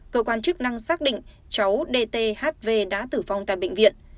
cơ quan chức năng xác định cháu d t h v đã tử vong tại bệnh viện